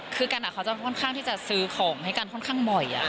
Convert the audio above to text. คือกันเขาจะค่อนข้างที่จะซื้อของให้กันค่อนข้างบ่อย